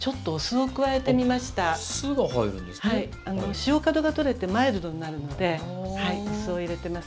塩角が取れてマイルドになるのでお酢を入れてます。